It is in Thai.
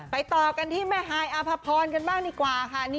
ต่อกันที่แม่ฮายอภพรกันบ้างดีกว่าค่ะ